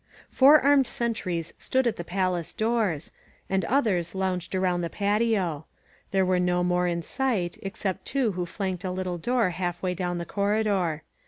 Four armed sentries stood at the palace doors, and others lounged around the patio. There were no more in sight, except two who flanked a little door half way down the corridor.